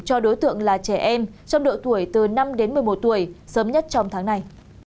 cho đối tượng là trẻ em trong độ tuổi từ năm đến một mươi một tuổi sớm nhất trong tháng này